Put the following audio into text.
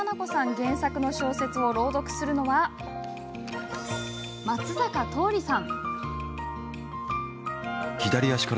原作の小説を朗読するのは、杏さん。